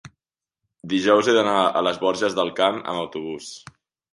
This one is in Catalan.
dijous he d'anar a les Borges del Camp amb autobús.